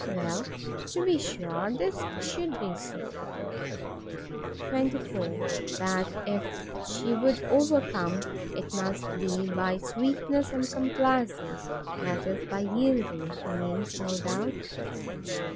Well, to be sure this should be so. 24. That if she would overcome, it must be by sweetness and complaisance; that is, by yielding, he means, no doubt.